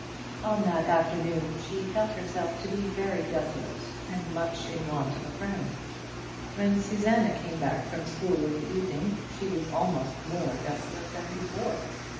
On that afternoon she felt herself to be very desolate and much in want of a friend. When Susanna came back from school in the evening she was almost more desolate than before.